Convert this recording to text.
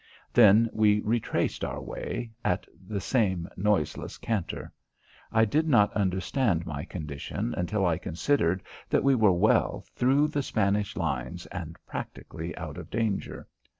Then we retraced our way, at the same noiseless canter. I did not understand my condition until I considered that we were well through the Spanish lines and practically out of danger.